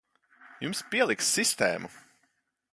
Jums pieliks sistēmu.